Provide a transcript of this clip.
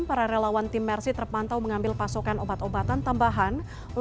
para relawan tim mersi terpantau mengambil pasokan obat obatan tambahan